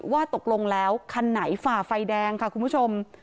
ว่าตกลงแล้วคันไหนฝ่าไฟแดงค่ะคุณผู้ชม